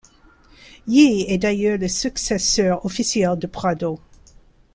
Yii est d'ailleurs le successeur officiel de Prado.